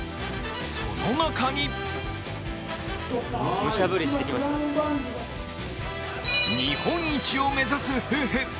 その中に日本一を目指す夫婦。